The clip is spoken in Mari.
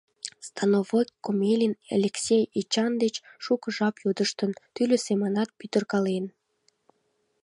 Становой Комелин Элексей Эчан деч шуко жап йодыштын, тӱрлӧ семынат пӱтыркален.